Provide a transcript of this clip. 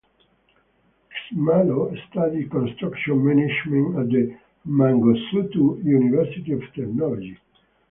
Nxumalo studied construction management at the Mangosuthu University of Technology.